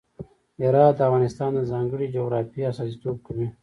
هرات د افغانستان د ځانګړي جغرافیه استازیتوب کوي.